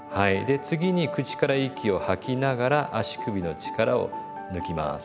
で次に口から息を吐きながら足首の力を抜きます。